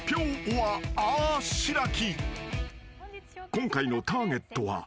［今回のターゲットは］